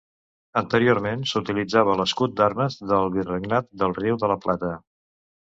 Anteriorment s'utilitzava l'escut d'armes del virregnat del Riu de la Plata.